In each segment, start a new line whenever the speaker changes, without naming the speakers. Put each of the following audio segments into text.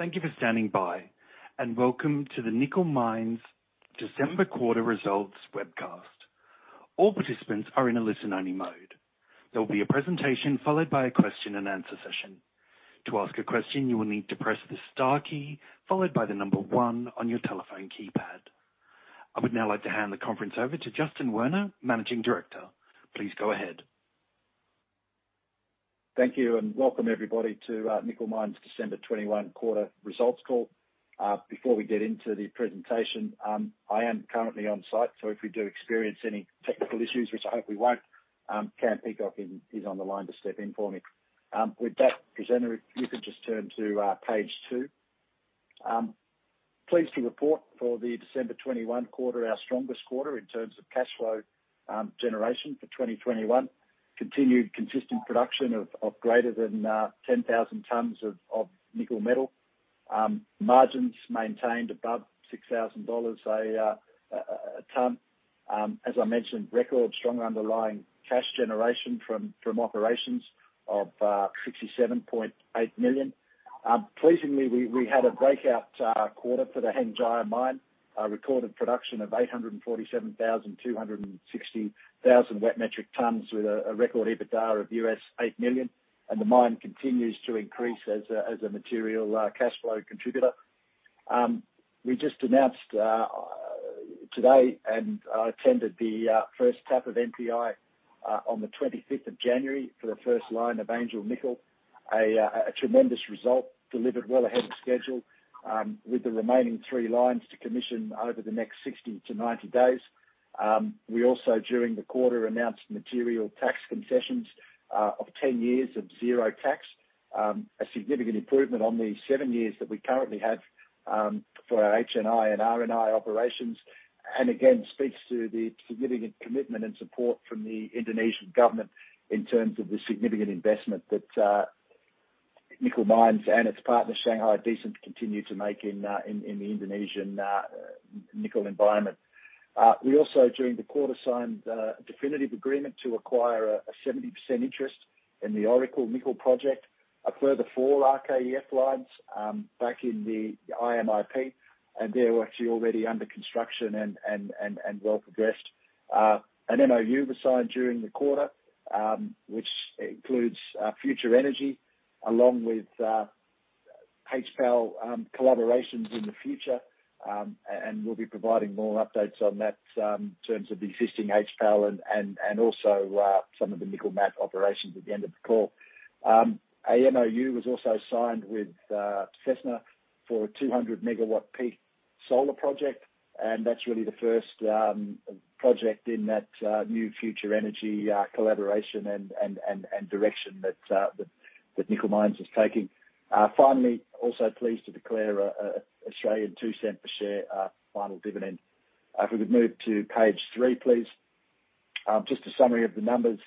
Thank you for standing by, and welcome to the Nickel Mines December Quarter Results webcast. All participants are in a listen-only mode. There will be a presentation followed by a question and answer session. To ask a question, you will need to press the star key followed by the number one on your telephone keypad. I would now like to hand the conference over to Justin Werner, Managing Director. Please go ahead.
Thank you, and welcome everybody to Nickel Industries December 2021 Quarter Results Call. Before we get into the presentation, I am currently on site, so if we do experience any technical issues, which I hope we won't, Cam Peacock is on the line to step in for me. With that, presenter, if you could just turn to page two. Pleased to report for the December 2021 quarter, our strongest quarter in terms of cash flow generation for 2021, continued consistent production of greater than 10,000 tons of nickel metal. Margins maintained above $6,000 a ton. As I mentioned, record strong underlying cash generation from operations of $67.8 million. Pleasingly, we had a breakout quarter for the Hengjaya Mine, recorded production of 847,260 wet metric tons with a record EBITDA of $8 million, and the mine continues to increase as a material cash flow contributor. We just announced today and attended the first tap of NPI on the 25th of January for the first line of Angel Nickel. A tremendous result delivered well ahead of schedule, with the remaining three lines to commission over the next 60-90 days. We also during the quarter announced material tax concessions of 10 years of zero tax, a significant improvement on the seven years that we currently have for our HNI and RNI operations. It again speaks to the significant commitment and support from the Indonesian government in terms of the significant investment that Nickel Industries and its partner Shanghai Decent continue to make in the Indonesian nickel environment. We also during the quarter signed a definitive agreement to acquire a 70% interest in the Oracle Nickel Project, a further four RKEF lines back in the IMIP, and they're actually already under construction and well progressed. An MOU was signed during the quarter, which includes future energy along with HPAL collaborations in the future. We'll be providing more updates on that in terms of the existing HPAL and also some of the nickel matte operations at the end of the call. An MOU was also signed with SESNA for a 200 MW peak solar project, and that's really the first project in that new future energy collaboration and direction that Nickel Industries is taking. Finally, pleased to declare an 2-cent per share final dividend. If we could move to page three, please. Just a summary of the numbers.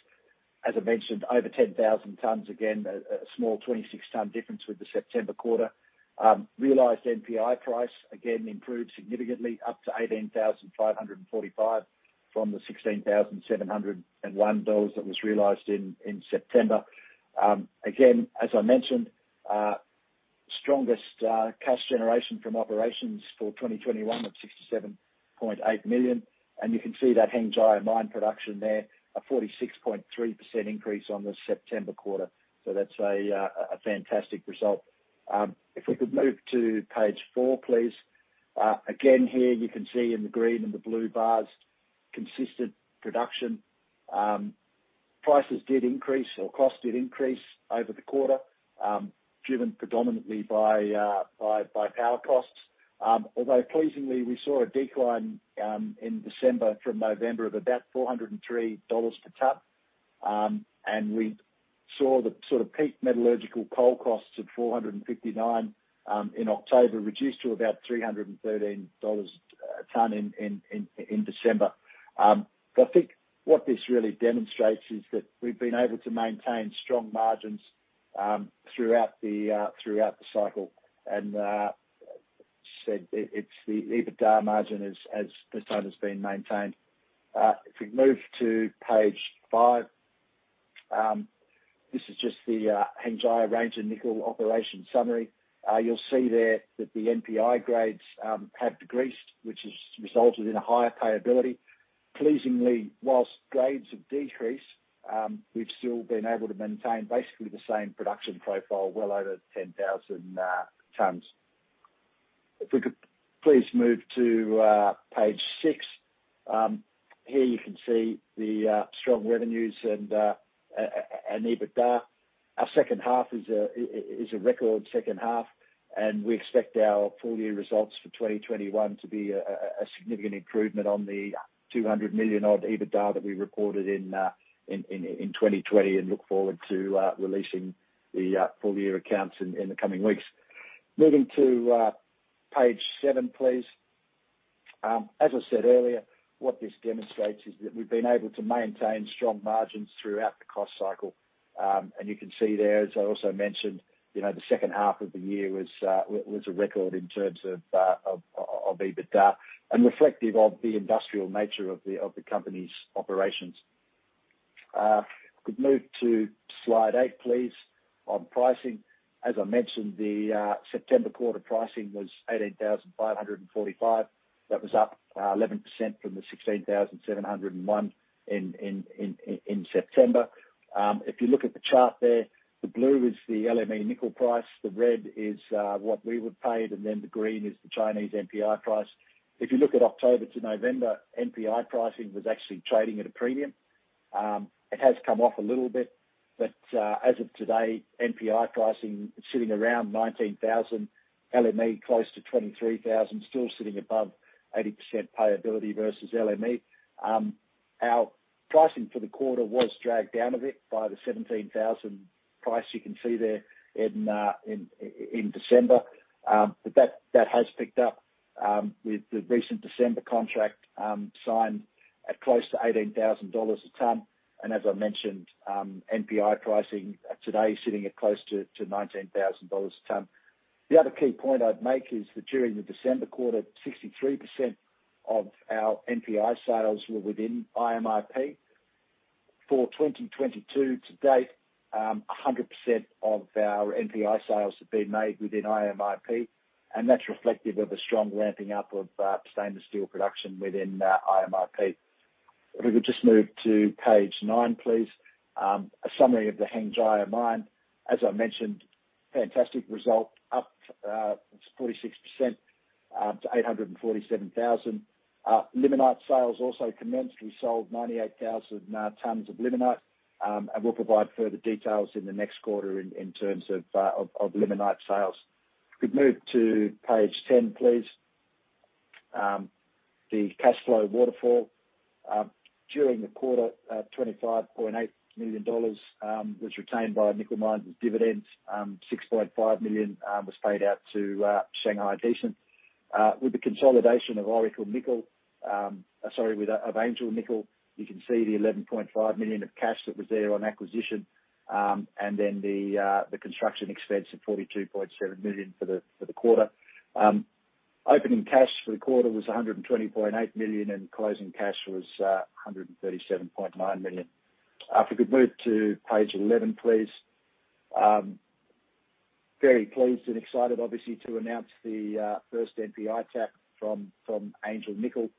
As I mentioned, over 10,000 tons, again, a small 26-ton difference with the September quarter. Realized NPI price again improved significantly up to $18,545 from the $16,701 that was realized in September. Again, as I mentioned, strongest cash generation from operations for 2021 at $67.8 million. You can see that Hengjaya Mine production there, a 46.3% increase on the September quarter. That's a fantastic result. If we could move to page four, please. Again, here you can see in the green and the blue bars, consistent production. Prices did increase or costs did increase over the quarter, driven predominantly by power costs. Although pleasingly, we saw a decline in December from November of about $403 per ton. We saw the sort of peak metallurgical coal costs of $459 in October, reduced to about $313 a ton in December. I think what this really demonstrates is that we've been able to maintain strong margins throughout the cycle. As I said, it's the EBITDA margin at this time has been maintained. If we move to page five. This is just the Hengjaya Ranger Nickel operation summary. You'll see there that the NPI grades have decreased, which has resulted in a higher payability. Pleasingly, while grades have decreased, we've still been able to maintain basically the same production profile well over 10,000 tons. If we could please move to page six. Here you can see the strong revenues and EBITDA. Our second half is a record second half, and we expect our full year results for 2021 to be a significant improvement on the $200 million odd EBITDA that we reported in 2020 and look forward to releasing the full year accounts in the coming weeks. Moving to page seven, please. As I said earlier, what this demonstrates is that we've been able to maintain strong margins throughout the cost cycle. You can see there, as I also mentioned, you know, the second half of the year was a record in terms of EBITDA and reflective of the industrial nature of the company's operations. Could move to slide eight, please. On pricing, as I mentioned, September quarter pricing was $18,545. That was up 11% from the $16,701 in September. If you look at the chart there, the blue is the LME nickel price, the red is what we were paid, and then the green is the Chinese NPI price. If you look at October to November, NPI pricing was actually trading at a premium. It has come off a little bit, but as of today, NPI pricing is sitting around $19,000, LME close to $23,000, still sitting above 80% payability vs LME. Our pricing for the quarter was dragged down a bit by the $17,000 price you can see there in December. That has picked up with the recent December contract signed at close to $18,000 a ton. As I mentioned, NPI pricing today sitting at close to $19,000 a ton. The other key point I'd make is that during the December quarter, 63% of our NPI sales were within IMIP. For 2022 to date, 100% of our NPI sales have been made within IMIP, and that's reflective of a strong ramping up of stainless steel production within IMIP. If we could just move to page nine, please. A summary of the Hengjaya Mine. As I mentioned, fantastic result, up 46% to 847,000. Limonite sales also commenced. We sold 98,000 tons of limonite, and we'll provide further details in the next quarter in terms of limonite sales. Could we move to page 10, please? The cash flow waterfall. During the quarter, $25.8 million was retained by Nickel Industries as dividends. $6.5 million was paid out to Shanghai Decent. With the consolidation of Angel Nickel, you can see the $11.5 million of cash that was there on acquisition, and then the construction expense of $42.7 million for the quarter. Opening cash for the quarter was $120.8 million, and closing cash was $137.9 million. If we could move to page 11, please. Very pleased and excited, obviously, to announce the first NPI tap from Angel Nickel.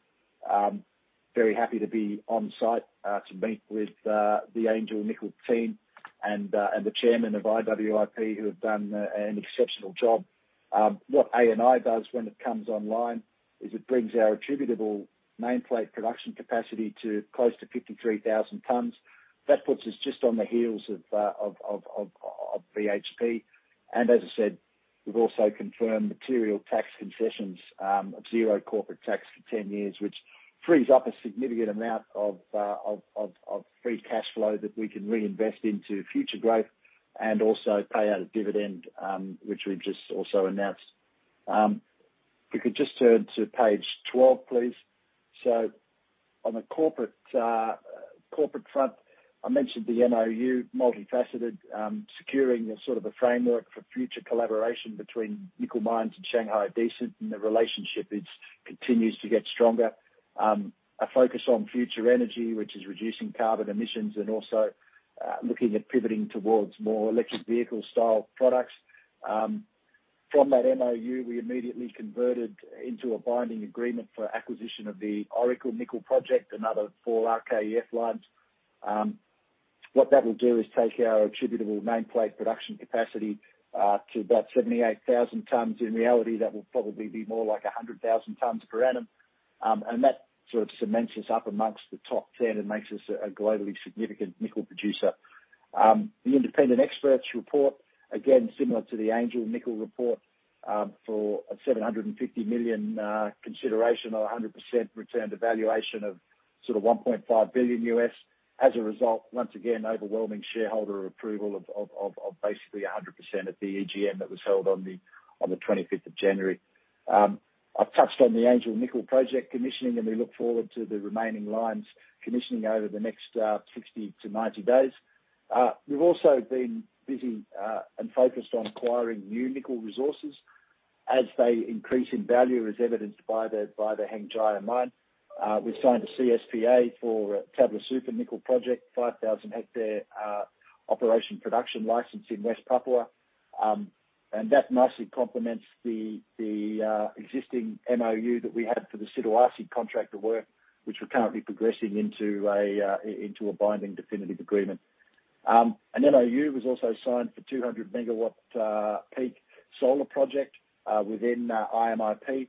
Very happy to be on site to meet with the Angel Nickel team and the chairman of IWIP who have done an exceptional job. What ANI does when it comes online is it brings our attributable nameplate production capacity to close to 53,000 tons. That puts us just on the heels of BHP. As I said, we've also confirmed material tax concessions of zero corporate tax for 10 years, which frees up a significant amount of free cash flow that we can reinvest into future growth and also pay out a dividend, which we've just also announced. If we could just turn to page 12, please. On the corporate front, I mentioned the MOU, multifaceted, securing a sort of a framework for future collaboration between Nickel Mines and Shanghai Decent, and the relationship continues to get stronger. A focus on future energy, which is reducing carbon emissions and also looking at pivoting towards more electric vehicle-style products. From that MOU, we immediately converted into a binding agreement for acquisition of the Oracle Nickel Project, another four RKEF lines. What that will do is take our attributable nameplate production capacity to about 78,000 tons. In reality, that will probably be more like 100,000 tons per annum. And that sort of cements us up amongst the top 10 and makes us a globally significant nickel producer. The independent experts report, again, similar to the Angel Nickel report, for a $750 million consideration or a 100% return to valuation of sort of $1.5 billion. As a result, once again, overwhelming shareholder approval of basically 100% at the EGM that was held on the 25th of January. I've touched on the Angel Nickel project commissioning, and we look forward to the remaining lines commissioning over the next 60-90 days. We've also been busy and focused on acquiring new nickel resources as they increase in value, as evidenced by the Hengjaya Mine. We've signed a CSPA for Tablasufa Nickel project, 5,000-hectare operation production license in West Papua. That nicely complements the existing MOU that we had for the Siduarsi contract of work, which we're currently progressing into a binding definitive agreement. An MOU was also signed for 200 MW peak solar project within IMIP.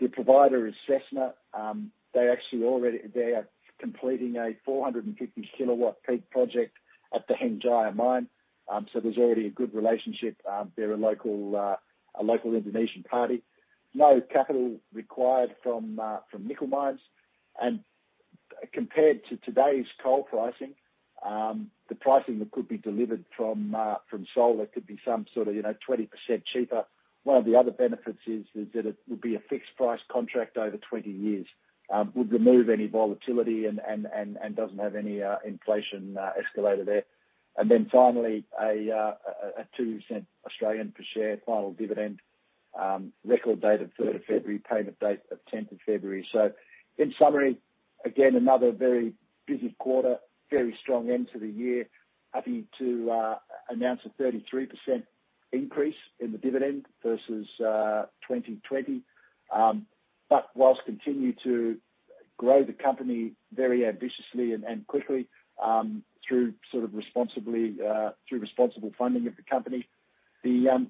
The provider is SESNA. They actually are completing a 450 kW peak project at the Hengjaya Mine. There's already a good relationship. They're a local Indonesian party. No capital required from Nickel Mines. Compared to today's coal pricing, the pricing that could be delivered from solar could be some sort of, you know, 20% cheaper. One of the other benefits is that it would be a fixed price contract over 20 years. Would remove any volatility and doesn't have any inflation escalator there. Then finally, a 0.02 per share final dividend. Record date of 3rd of February, payment date of 10th of February. In summary, again, another very busy quarter, very strong end to the year. Happy to announce a 33% increase in the dividend vs 2020. We continue to grow the company very ambitiously and quickly through responsible funding of the company. The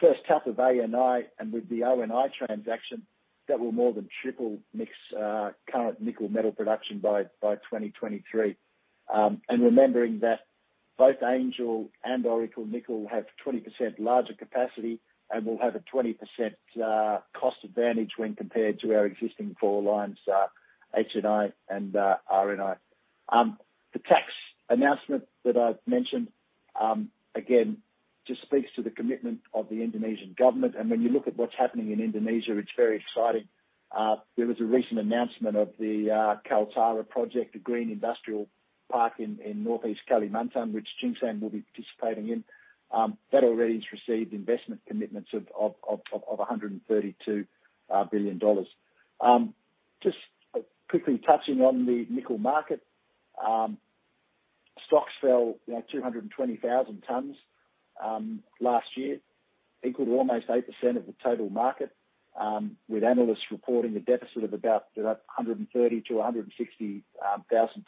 first half of ANI and with the ONI transaction, that will more than triple our current nickel metal production by 2023. Remembering that both Angel and Oracle Nickel have 20% larger capacity and will have a 20% cost advantage when compared to our existing four lines, HNI and RNI. The tax announcement that I've mentioned, again, just speaks to the commitment of the Indonesian government. When you look at what's happening in Indonesia, it's very exciting. There was a recent announcement of the Kaltara Project, a green industrial park in North Kalimantan, which Tsingshan will be participating in. That already has received investment commitments of $132 billion. Just quickly touching on the nickel market. Stocks fell 220,000 tons last year, equal to almost 8% of the total market, with analysts reporting a deficit of about 130,000-160,000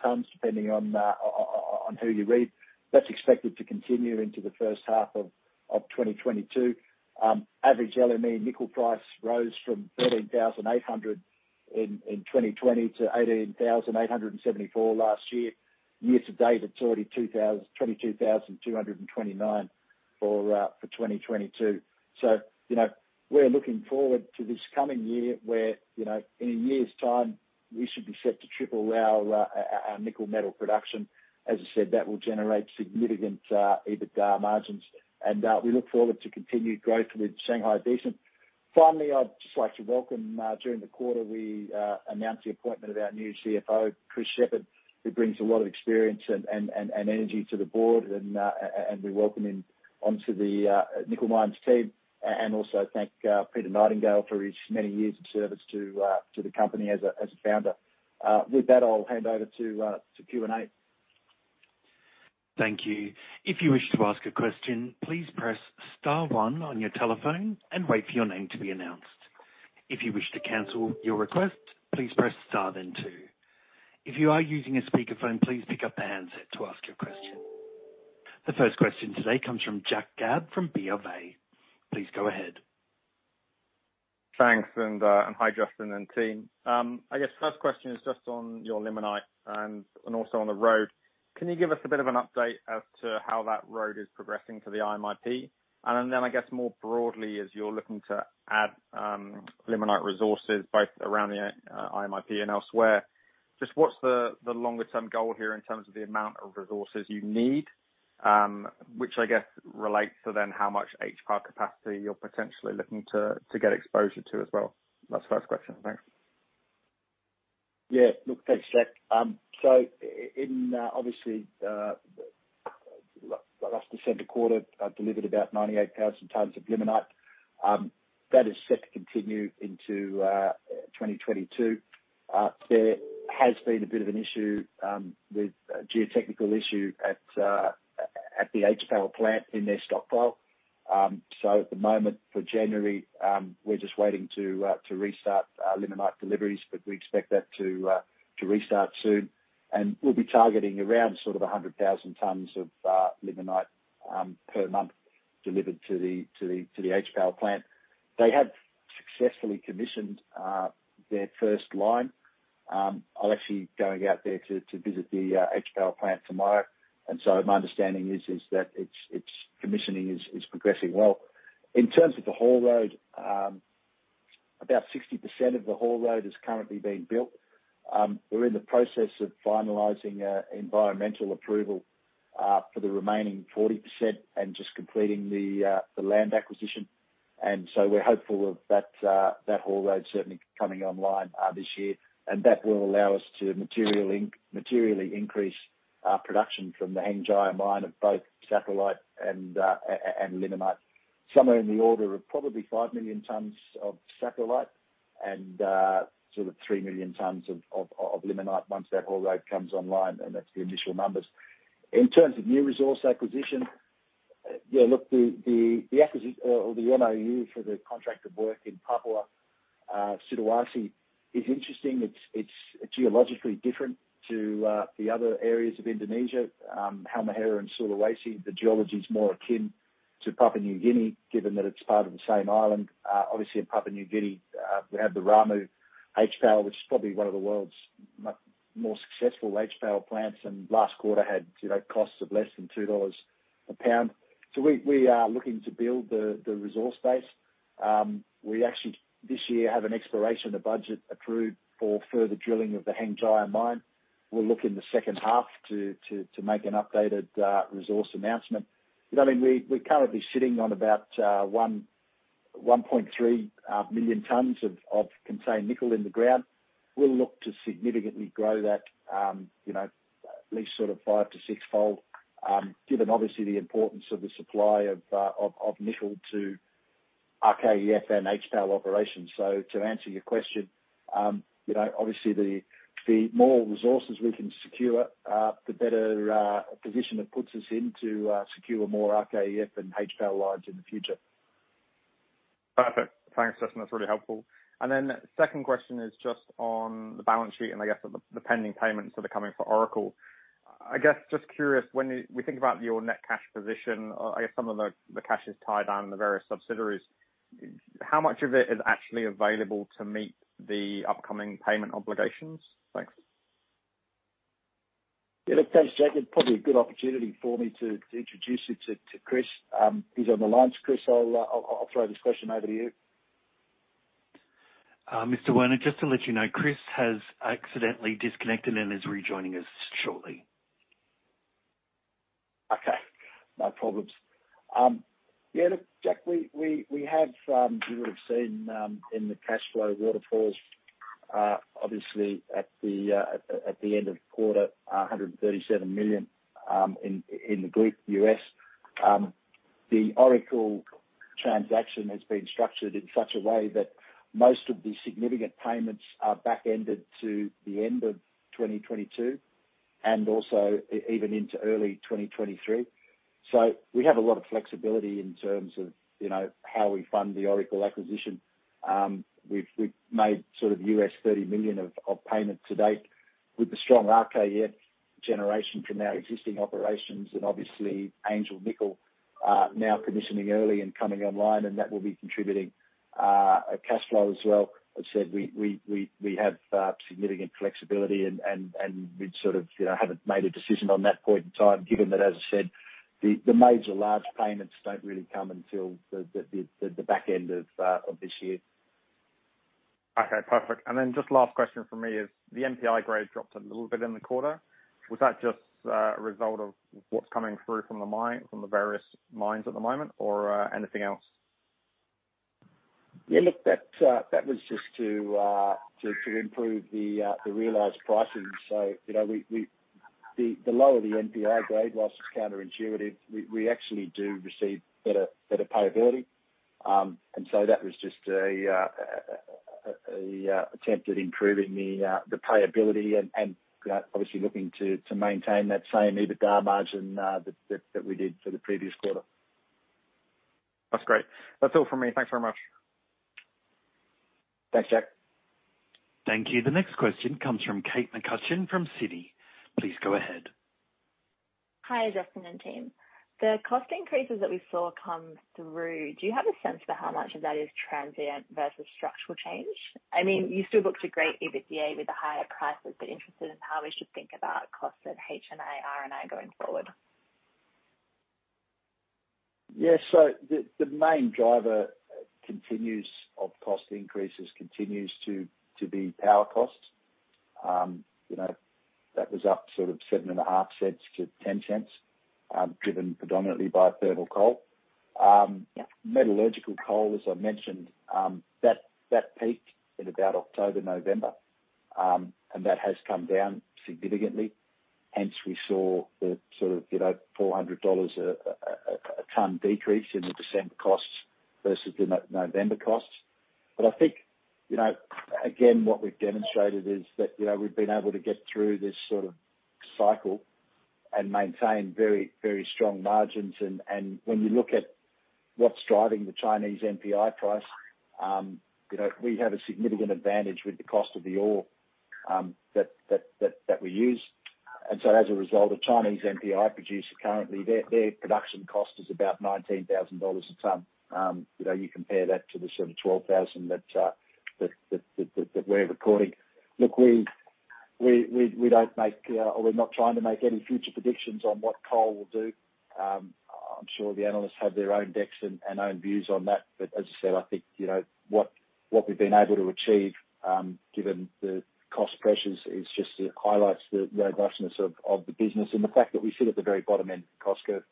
tons, depending on who you read. That's expected to continue into the first half of 2022. Average LME nickel price rose from $13,800 in 2020 to $18,874 last year. Year to date, it's already $22,229 for 2022. You know, we're looking forward to this coming year where, you know, in a year's time, we should be set to triple our nickel metal production. As I said, that will generate significant EBITDA margins, and we look forward to continued growth with Shanghai Decent. Finally, I'd just like to welcome during the quarter, we announced the appointment of our new CFO, Chris Shepherd, who brings a lot of experience and energy to the board and we welcome him onto the Nickel Industries team. Also thank Peter Nightingale for his many years of service to the company as a founder. With that, I'll hand over to Q&A.
Thank you. If you wish to ask a question, please press star one on your telephone and wait for your name to be announced. If you wish to cancel your request, please press star then two. If you are using a speakerphone, please pick up the handset to ask your question. The first question today comes from Jack Gabb from BofA. Please go ahead.
Thanks, hi, Justin and team. I guess first question is just on your limonite and also on the road. Can you give us a bit of an update as to how that road is progressing to the IMIP? Then I guess more broadly as you're looking to add limonite resources both around the IMIP and elsewhere, just what's the longer-term goal here in terms of the amount of resources you need? Which I guess relates to then how much HPAL capacity you're potentially looking to get exposure to as well. That's the first question. Thanks.
Yeah. Look, thanks, Jack. So in, obviously, last December quarter, we delivered about 98,000 tons of limonite. That is set to continue into 2022. There has been a bit of an issue with a geotechnical issue at the HPAL plant in their stockpile. So at the moment for January, we're just waiting to restart limonite deliveries, but we expect that to restart soon. We'll be targeting around sort of 100,000 tons of limonite per month delivered to the HPAL plant. They have successfully commissioned their first line. I'm actually going out there to visit the HPAL plant tomorrow. My understanding is that its commissioning is progressing well. In terms of the haul road, about 60% of the haul road is currently being built. We're in the process of finalizing environmental approval for the remaining 40% and just completing the land acquisition. We're hopeful of that haul road certainly coming online this year. That will allow us to materially increase production from the Hengjaya mine of both saprolite and limonite. Somewhere in the order of probably 5 million tons of saprolite and sort of 3 million tons of limonite once that haul road comes online, and that's the initial numbers. In terms of new resource acquisition, yeah, look, the MOU for the contract of work in Papua, Sulawesi is interesting. It's geologically different to the other areas of Indonesia, Halmahera and Sulawesi. The geology is more akin to Papua New Guinea, given that it's part of the same island. Obviously in Papua New Guinea, we have the Ramu HPAL, which is probably one of the world's much more successful HPAL plants and last quarter had, you know, costs of less than $2 a pound. We are looking to build the resource base. We actually this year have an exploration budget approved for further drilling of the Hengjaya Mine. We'll look in the second half to make an updated resource announcement. I mean, we're currently sitting on about 1.3 million tons of contained nickel in the ground. We'll look to significantly grow that, you know. At least sort of five- to six-fold, given obviously the importance of the supply of nickel to RKEF and HPAL operations. To answer your question, you know, obviously the more resources we can secure, the better position it puts us in to secure more RKEF and HPAL lines in the future.
Perfect. Thanks, Justin. That's really helpful. Second question is just on the balance sheet and I guess the pending payments that are coming for Oracle. I guess just curious, when we think about your net cash position, I guess some of the cash is tied down in the various subsidiaries. How much of it is actually available to meet the upcoming payment obligations? Thanks.
Yeah, look, thanks, Jack. It's probably a good opportunity for me to introduce you to Chris. He's on the line. Chris, I'll throw this question over to you.
Mr. Werner, just to let you know, Chris has accidentally disconnected and is rejoining us shortly.
Okay. No problems. Yeah, look, Jack, we have you would've seen in the cash flow waterfalls, obviously at the end of quarter, $137 million in the group USD. The Oracle transaction has been structured in such a way that most of the significant payments are backended to the end of 2022 and also even into early 2023. We have a lot of flexibility in terms of, you know, how we fund the Oracle acquisition. We've made sort of $30 million of payments to date with the strong RKEF generation from our existing operations and obviously Angel Nickel now commissioning early and coming online, and that will be contributing cash flow as well. I said we have significant flexibility and we've sort of, you know, haven't made a decision on that point in time, given that, as I said, the major large payments don't really come until the back end of this year.
Okay, perfect. Just last question from me is the NPI grade dropped a little bit in the quarter. Was that just a result of what's coming through from the various mines at the moment or anything else?
Yeah, look, that was just to improve the realized pricing. You know, the lower the NPI grade, while it's counterintuitive, we actually do receive better payability. That was just an attempt at improving the payability and obviously looking to maintain that same EBITDA margin that we did for the previous quarter.
That's great. That's all for me. Thanks very much.
Thanks, Jack.
Thank you. The next question comes from Kate McCutcheon from Citi. Please go ahead.
Hi, Justin and team. The cost increases that we saw come through, do you have a sense for how much of that is transient vs structural change? I mean, you still looked a great EBITDA with the higher prices, but I'm interested in how we should think about costs at HNI, RNI going forward.
The main driver of cost increases continues to be power costs. You know, that was up 7.5 cents-10 cents, driven predominantly by thermal coal. Metallurgical coal, as I mentioned, that peaked in about October-November. That has come down significantly. Hence, we saw $400/ton decrease in the December costs vs the November costs. I think, again, what we've demonstrated is that we've been able to get through this cycle and maintain very strong margins. When you look at what's driving the Chinese NPI price, you know, we have a significant advantage with the cost of the ore that we use. As a result, a Chinese NPI producer currently, their production cost is about $19,000 a ton. You know, you compare that to the sort of $12,000 that we're recording. Look, we don't make, or we're not trying to make any future predictions on what coal will do. I'm sure the analysts have their own decks and own views on that. As I said, I think, you know, what we've been able to achieve, given the cost pressures, is just it highlights the robustness of the business and the fact that we sit at the very bottom end of the cost curve.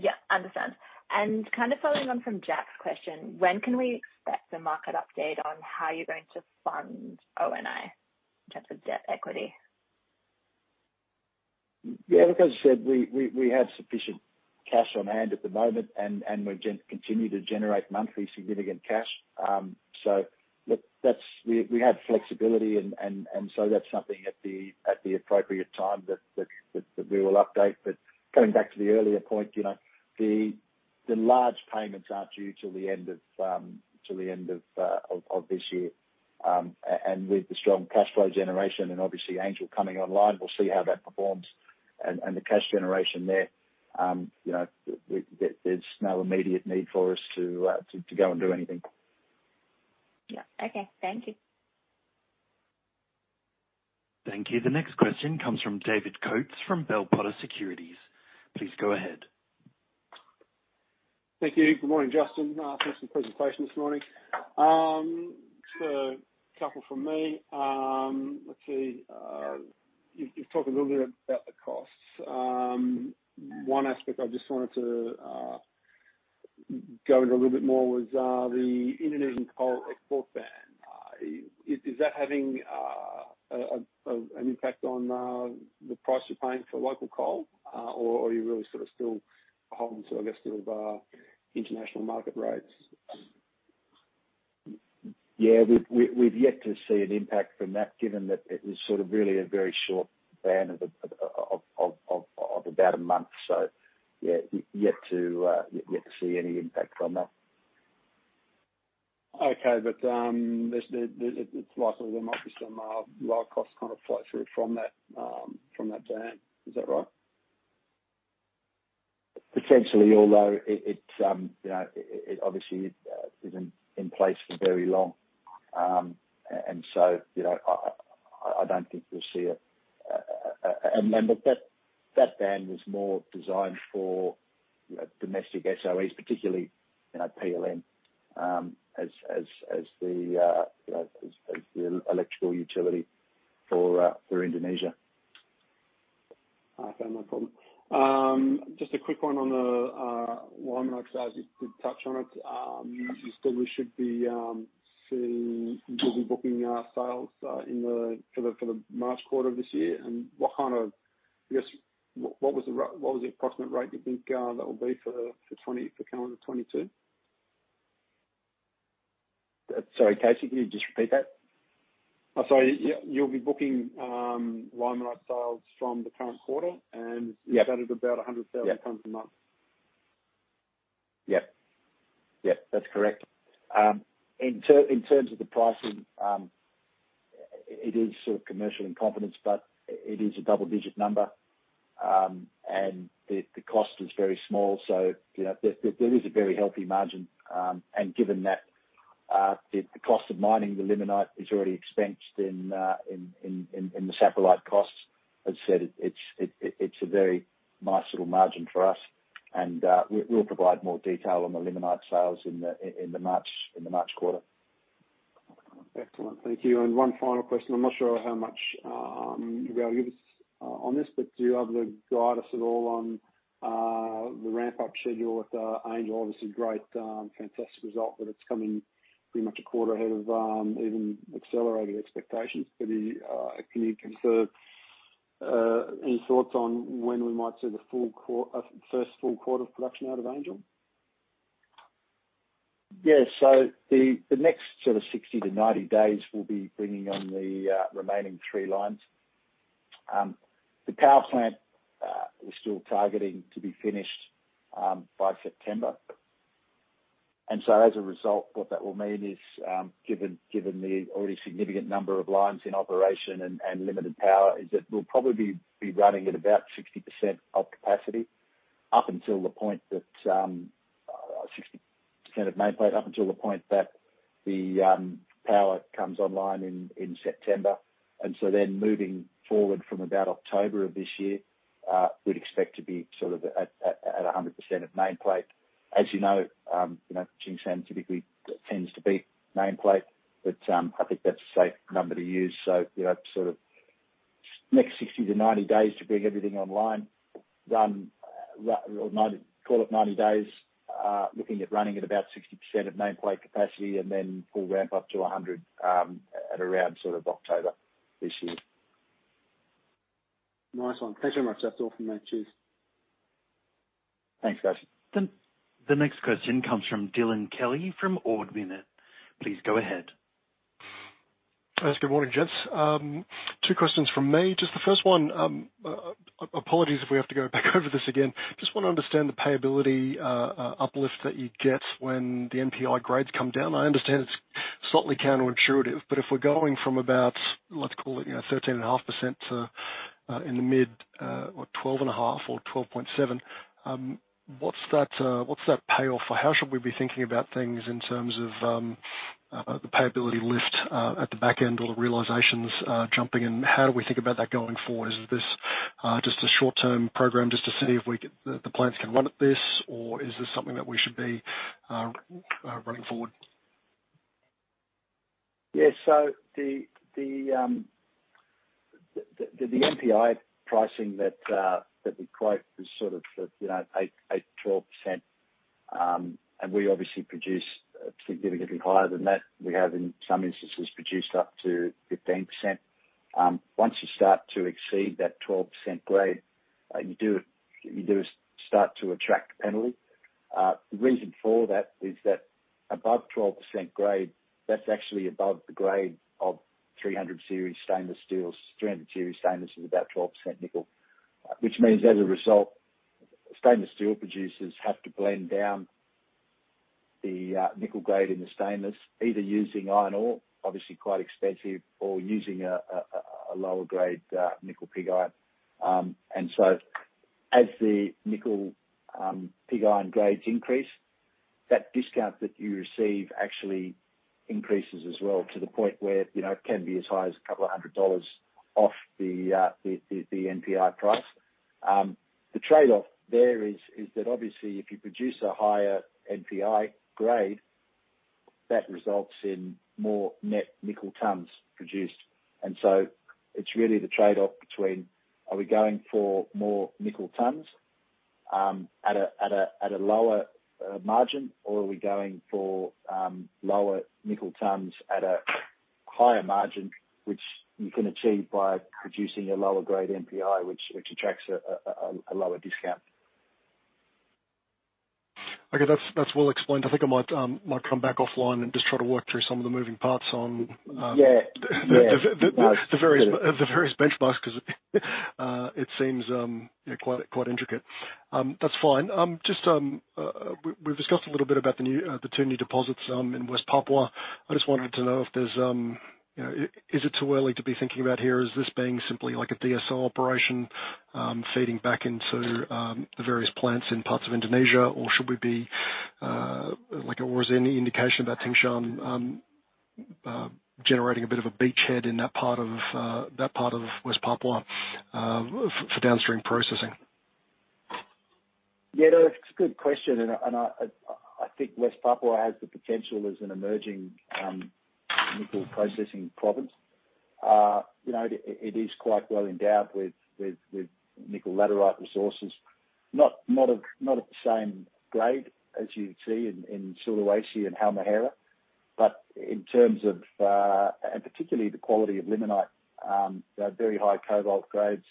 Yeah. Understand. Kind of following on from Jack's question, when can we expect the market update on how you're going to fund ONI in terms of debt equity?
Yeah, look, as I said, we have sufficient cash on hand at the moment and we continue to generate monthly significant cash. So look, we have flexibility and so that's something at the appropriate time that we will update. Coming back to the earlier point, you know, the large payments aren't due till the end of this year. With the strong cash flow generation and obviously Angel coming online, we'll see how that performs. The cash generation there, you know, there's no immediate need for us to go and do anything.
Yeah. Okay. Thank you.
Thank you. The next question comes from David Coates from Bell Potter Securities. Please go ahead.
Thank you. Good morning, Justin. Thanks for the presentation this morning. So a couple from me. Let's see. You've talked a little bit about the costs. One aspect I just wanted to go into a little bit more was the Indonesian coal export ban. Is that having an impact on the price you're paying for local coal? Or are you really sort of still holding to, I guess, sort of international market rates?
Yeah. We've yet to see an impact from that, given that it was sort of really a very short ban of about a month. Yeah, yet to see any impact from that.
It's likely there might be some low costs kind of flow through from that ban. Is that right?
Potentially. Although it obviously isn't in place for very long. You know, I don't think we'll see it. That ban was more designed for domestic SOEs, particularly, you know, PLN, as the electrical utility for Indonesia.
Fair. No problem. Just a quick one on the limonite. You did touch on it. You said we should be seeing you'll be booking sales for the March quarter of this year? And what kind of, I guess, what was the approximate rate you think that will be for 2020, for calendar 2022?
Sorry, David, can you just repeat that?
I'm sorry. Yeah. You'll be booking limonite sales from the current quarter, and
Yep.
Is that at about 100,000 tons a month?
Yep. Yep, that's correct. In terms of the pricing, it is sort of commercial in confidence, but it is a double-digit number. The cost is very small. You know, there is a very healthy margin. Given that, the cost of mining the limonite is already expensed in the saprolite costs, as I said. It's a very nice little margin for us. We'll provide more detail on the limonite sales in the March quarter.
Excellent. Thank you. One final question. I'm not sure how much you can give us on this, but do you have to guide us at all on the ramp-up schedule at Angel? Obviously great, fantastic result, but it's coming pretty much a quarter ahead of even accelerated expectations. Can you convey any thoughts on when we might see the first full quarter of production out of Angel?
Yeah. The next sort of 60-90 days will be bringing on the remaining three lines. The power plant we're still targeting to be finished by September. As a result, what that will mean is, given the already significant number of lines in operation and limited power, we'll probably be running at about 60% of nameplate up until the point that the power comes online in September. Moving forward from about October of this year, we'd expect to be sort of at 100% of nameplate. As you know, you know, Hengjaya typically tends to be nameplate, but I think that's a safe number to use. You know, sort of in the next 60-90 days to bring everything online. RNI, call it 90 days, looking at running at about 60% of nameplate capacity and then full ramp up to 100%, at around sort of October this year.
Nice one. Thank you very much. That's all from me. Cheers.
Thanks Coates.
The next question comes from Dylan Kelly from Ord Minnett. Please go ahead.
Yes, good morning, gents. Two questions from me. Just the first one, apologies if we have to go back over this again. Just want to understand the payability uplift that you get when the NPI grades come down. I understand it's slightly counterintuitive. If we're going from about, let's call it, you know, 13.5% to, in the mid, what 12.5 or 12.7, what's that payoff or how should we be thinking about things in terms of the payability lift at the back end or the realizations jumping and how do we think about that going forward? Is this just a short-term program just to see if the plants can run at this or is this something that we should be running forward?
Yeah. The NPI pricing that we quote is sort of, you know, 8%-12%. We obviously produce significantly higher than that. We have in some instances produced up to 15%. Once you start to exceed that 12% grade, you start to attract penalty. The reason for that is that above 12% grade, that's actually above the grade of 300 series stainless steels. 300 series stainless is about 12% nickel, which means as a result, stainless steel producers have to blend down the nickel grade in the stainless either using iron ore, obviously quite expensive or using a lower grade nickel pig iron. As the nickel pig iron grades increase, that discount that you receive actually increases as well to the point where, you know, it can be as high as a couple of hundred dollars off the the NPI price. The trade-off there is that obviously if you produce a higher NPI grade. That results in more net nickel tons produced. It's really the trade-off between are we going for more nickel tons at a lower margin or are we going for lower nickel tons at a higher margin, which you can achieve by producing a lower grade NPI, which attracts a lower discount.
Okay. That's well explained. I think I might come back offline and just try to work through some of the moving parts on,
Yeah. Yeah.
The various benchmarks... 'cause it seems quite intricate. That's fine. Just, we've discussed a little bit about the two new deposits in West Papua. I just wanted to know if there's, you know, is it too early to be thinking about here, is this being simply like a DSO operation, feeding back into, the various plants in parts of Indonesia, or should we be, like or is there any indication about Tsingshan, generating a bit of a beachhead in that part of West Papua, for downstream processing?
Yeah, no, it's a good question, and I think West Papua has the potential as an emerging nickel processing province. You know, it is quite well endowed with nickel laterite resources. Not of the same grade as you see in Sulawesi and Halmahera, but in terms of and particularly the quality of limonite, there are very high cobalt grades.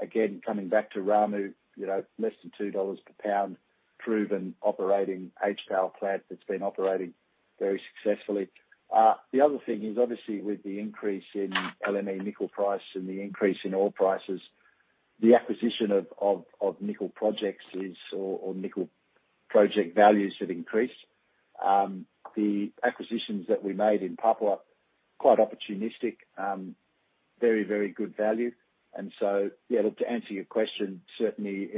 Again, coming back to Ramu, you know, less than $2 per pound proven operating HPAL plant that's been operating very successfully. The other thing is obviously with the increase in LME nickel price and the increase in oil prices, the acquisition of nickel projects or nickel project values have increased. The acquisitions that we made in Papua quite opportunistic. Very good value. Yeah, look, to answer your question, certainly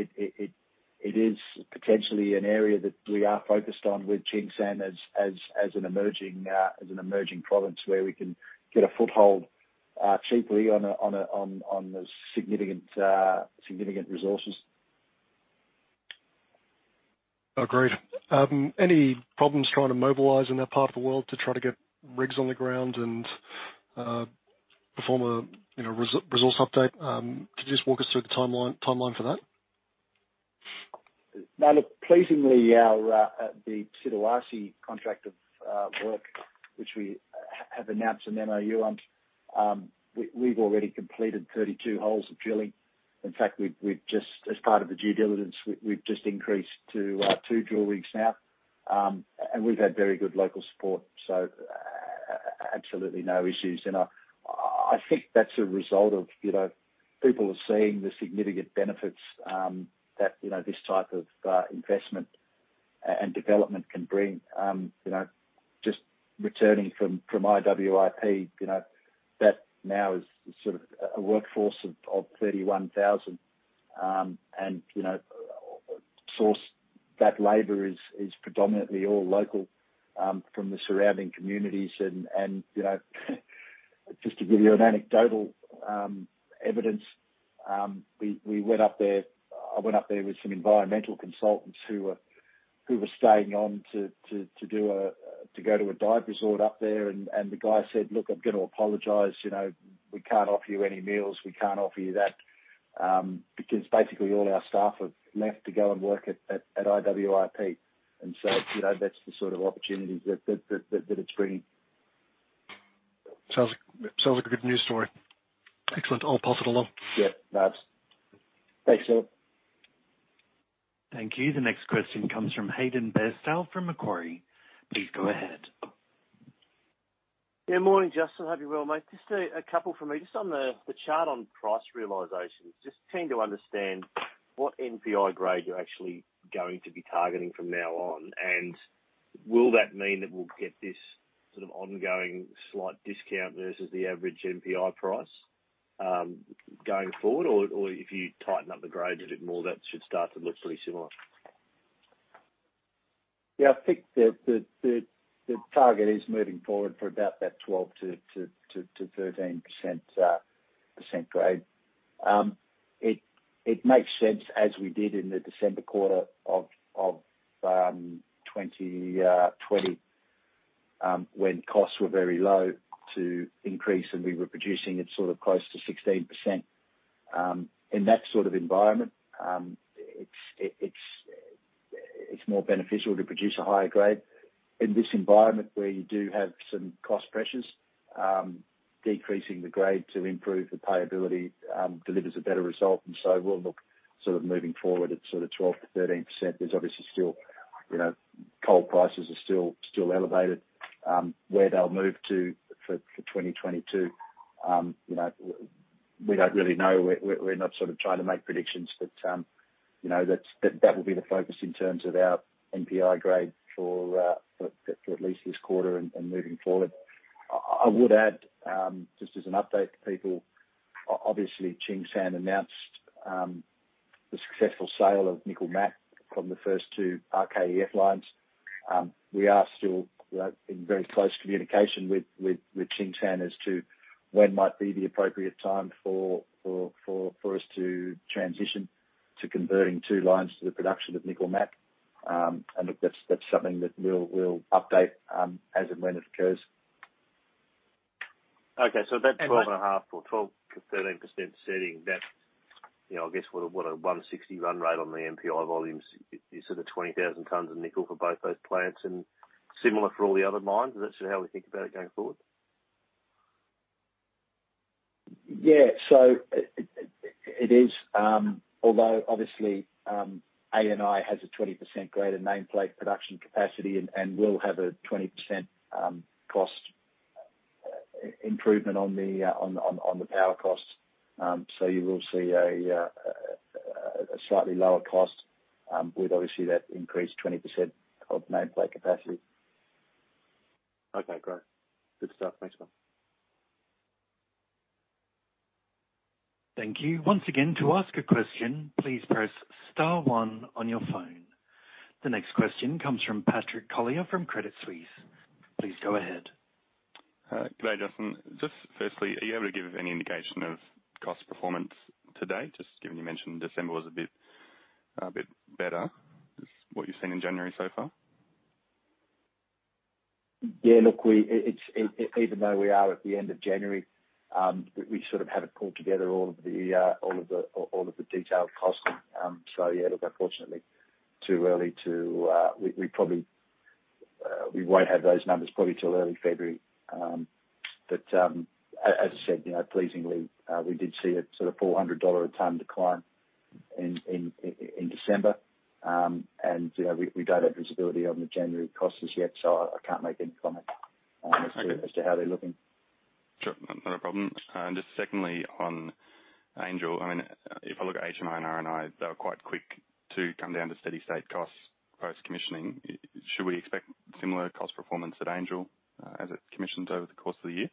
it is potentially an area that we are focused on with Tsingshan as an emerging province where we can get a foothold cheaply on the significant resources.
Agreed. Any problems trying to mobilize in that part of the world to try to get rigs on the ground and perform a, you know, resource update? Could you just walk us through the timeline for that?
Now, look, pleasingly our Sulawesi contract of work, which we have announced an MOU on, we've already completed 32 holes of drilling. In fact, we've just as part of the due diligence, we've just increased to two drill rigs now. We've had very good local support, so absolutely no issues. I think that's a result of, you know, people are seeing the significant benefits that, you know, this type of investment and development can bring. You know, just returning from IWIP, you know, that now is sort of a workforce of 31,000, and, you know, that labor is predominantly all local from the surrounding communities. You know, just to give you an anecdotal evidence, we went up there. I went up there with some environmental consultants who were staying on to go to a dive resort up there and the guy said, "Look, I've got to apologize. You know, we can't offer you any meals. We can't offer you that because basically all our staff have left to go and work at IWIP." You know, that's the sort of opportunities that it's bringing.
Sounds like a good news story. Excellent. I'll pass it along.
Yep. No worries. Thanks, Kelly.
Thank you. The next question comes from Hayden Bairstow from Macquarie. Please go ahead.
Yeah. Morning, Justin. Hope you're well, mate. Just, a couple from me. Just on the chart on price realizations, just keen to understand what NPI grade you're actually going to be targeting from now on, and will that mean that we'll get this sort of ongoing slight discount vs the average NPI price, going forward? Or if you tighten up the grade a bit more, that should start to look pretty similar?
Yeah. I think the target is moving forward for about that 12%-13% grade. It makes sense, as we did in the December quarter of 2020, when costs were very low, to increase, and we were producing at sort of close to 16%. In that sort of environment, it's more beneficial to produce a higher grade. In this environment where you do have some cost pressures, decreasing the grade to improve the payability delivers a better result. We'll look sort of moving forward at sort of 12%-13%. There's obviously still, you know, coal prices are still elevated. Where they'll move to for 2022, you know, we don't really know. We're not sort of trying to make predictions, but you know, that will be the focus in terms of our NPI grade for at least this quarter and moving forward. I would add just as an update to people, obviously Tsingshan announced the successful sale of nickel matte from the first two RKEF lines. We are still in very close communication with Tsingshan as to when might be the appropriate time for us to transition to converting two lines to the production of nickel matte. Look, that's something that we'll update as and when it occurs.
Okay.
And that-
12.5 or 12%-13% setting, that, you know, I guess what a 160 run rate on the NPI volumes is sort of 20,000 tons of nickel for both those plants and similar for all the other mines. Is that sort of how we think about it going forward?
It is, although obviously, ANI has a 20% greater nameplate production capacity and will have a 20% cost improvement on the power costs. You will see a slightly lower cost with obviously that increased 20% of nameplate capacity.
Okay, great. Good stuff. Thanks, man.
Thank you. Once again, to ask a question, please press star one on your phone. The next question comes from Patrick Collier from Credit Suisse. Please go ahead.
Good day, Justin. Just firstly, are you able to give any indication of cost performance today, just given you mentioned December was a bit better. Is what you've seen in January so far?
Yeah, look, even though we are at the end of January, we sort of haven't pulled together all of the detailed costs. Yeah, look, unfortunately too early to. We probably won't have those numbers till early February. As I said, you know, pleasingly, we did see a sort of $400 a ton decline in December. You know, we don't have visibility on the January costs as yet, so I can't make any comment.
Okay.
As to how they're looking.
Sure. No problem. Just secondly, on Angel, I mean, if I look at HNI and RNI, they were quite quick to come down to steady state costs post-commissioning. Should we expect similar cost performance at Angel as it commissions over the course of the year?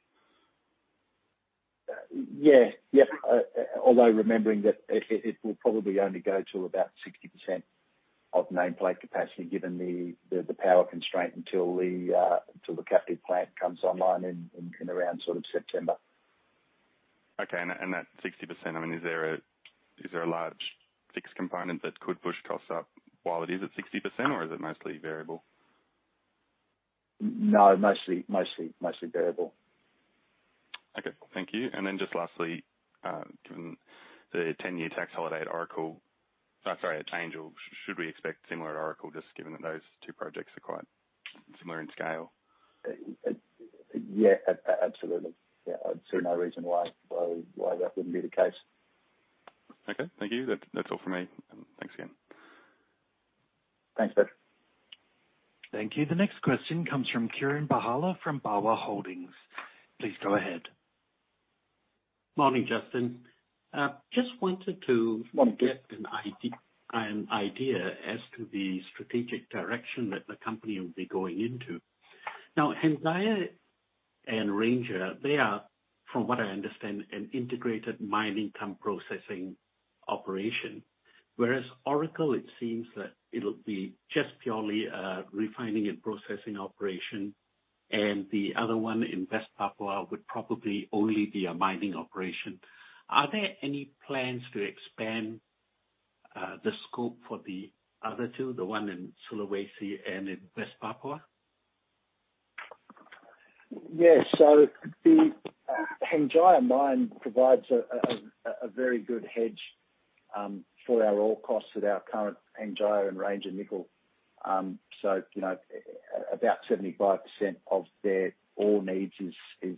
Yeah, although remembering that it will probably only go to about 60% of nameplate capacity, given the power constraint until the captive plant comes online in around sort of September.
Okay. That 60%, I mean, is there a large fixed component that could push costs up while it is at 60%, or is it mostly variable?
No, mostly variable.
Okay. Thank you. Just lastly, given the 10-year tax holiday at Angel, should we expect similar at Oracle, just given that those two projects are quite similar in scale?
Yeah, absolutely. I see no reason why that wouldn't be the case.
Okay. Thank you. That's all for me. Thanks again.
Thanks, Patrick.
Thank you. The next question comes from Kieran Bahala from Bawa Holdings. Please go ahead.
Morning, Justin. Just wanted to
Morning.
Get an idea as to the strategic direction that the company will be going into. Now, Hengjaya and Ranger, they are, from what I understand, an integrated mine and processing operation, whereas Oracle, it seems that it'll be just purely a refining and processing operation, and the other one in West Papua would probably only be a mining operation. Are there any plans to expand the scope for the other two, the one in Sulawesi and in West Papua?
Yeah. The Hengjaya mine provides a very good hedge for our ore costs at our current Hengjaya and Ranger Nickel. You know, about 75% of their ore needs is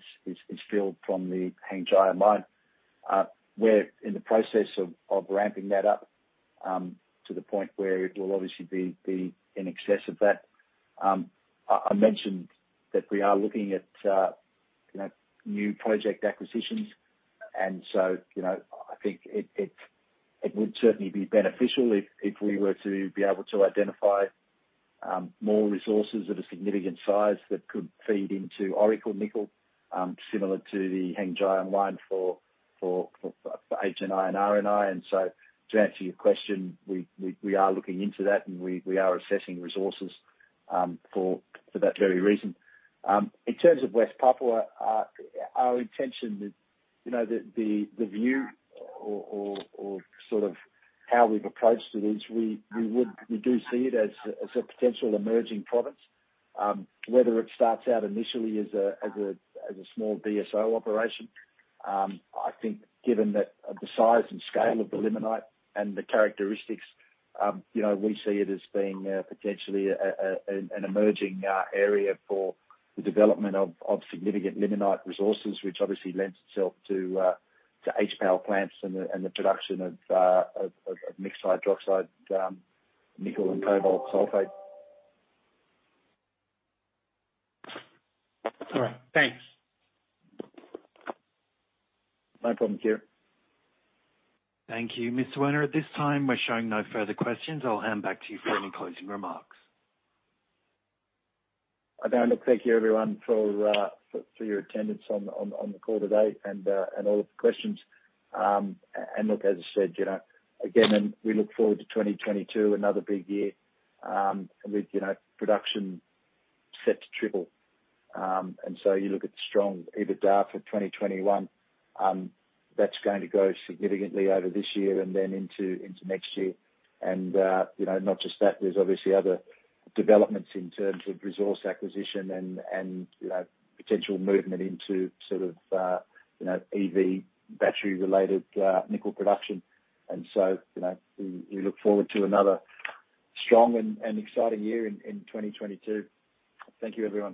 filled from the Hengjaya mine. We're in the process of ramping that up to the point where it will obviously be in excess of that. I mentioned that we are looking at you know, new project acquisitions. You know, I think it would certainly be beneficial if we were to be able to identify more resources of a significant size that could feed into Oracle Nickel, similar to the Hengjaya mine for HNI and RNI. To answer your question, we are looking into that, and we are assessing resources for that very reason. In terms of West Papua, our intention that, you know, the view or sort of how we've approached it is we do see it as a potential emerging province. Whether it starts out initially as a small DSO operation, I think given that the size and scale of the limonite and the characteristics, you know, we see it as being potentially an emerging area for the development of significant limonite resources, which obviously lends itself to HPAL plants and the production of mixed hydroxide nickel and cobalt sulfate.
All right. Thanks.
No problem, Kieran.
Thank you. Mr. Werner, at this time we're showing no further questions. I'll hand back to you for any closing remarks.
Okay. Look, thank you, everyone, for your attendance on the call today and all of the questions. Look, as I said, you know, again, we look forward to 2022, another big year, with you know, production set to triple. You look at the strong EBITDA for 2021, that's going to grow significantly over this year and then into next year. You know, not just that, there's obviously other developments in terms of resource acquisition and you know, potential movement into sort of you know, EV battery-related nickel production. You know, we look forward to another strong and exciting year in 2022. Thank you, everyone.